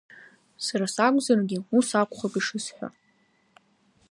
Сара сакәзаргьы ус акәхап ишысҳәо.